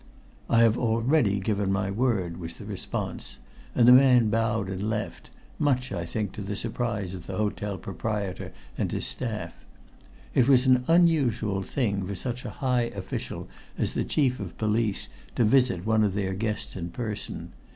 "I have already given my word," was the response; and the man bowed and left, much, I think, to the surprise of the hotel proprietor and his staff. It was an unusual thing for such a high official as the Chief of Police to visit one of their guests in person.